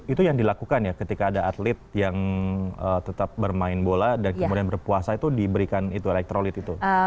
itu yang dilakukan ya ketika ada atlet yang tetap bermain bola dan kemudian berpuasa itu diberikan itu elektrolit itu